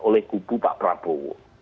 oleh gubu pak prabowo